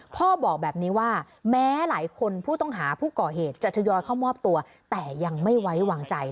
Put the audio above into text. พ่อบอกแบบนี้ว่าแม้หลายคนผู้ต้องหาผู้เก่าเหตุอันตรายังไม่ไว้หวังจัย